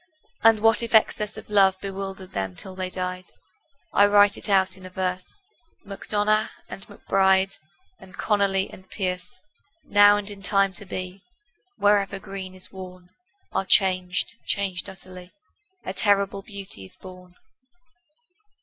And what if excess of love Bewildered them till they died? I write it out in a verse MacDonagh and MacBride And Connolly and Pearse Now and in time to be, Wherever green is worn, Are changed, changed utterly: A terrible beauty is born.